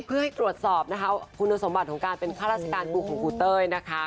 เพื่อให้ตรวจสอบนะคะคุณสมบัติของการเป็นข้าราชการครูของครูเต้ยนะคะ